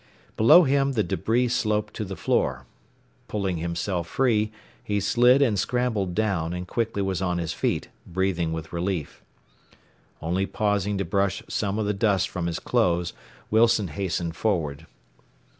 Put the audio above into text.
Below him the debris sloped to the floor. Pulling himself free, he slid and scrambled down, and quickly was on his feet, breathing with relief. Only pausing to brush some of the dust from his clothes, Wilson hastened forward.